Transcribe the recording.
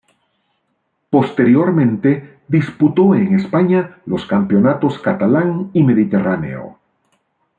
Posteriormente disputó en España los campeonatos catalán y mediterráneo.